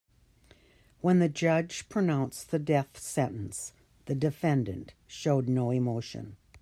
When the judge pronounced the death sentence, the defendant showed no emotion.